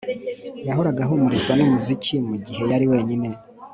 Yahoraga ahumurizwa numuziki mugihe yari wenyine